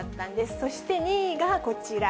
そして２位がこちら。